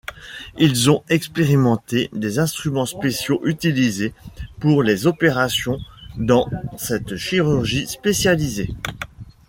Ils ont expérimenté des instruments spéciaux utilisés pour les opérations dans cette chirurgie spécialisée.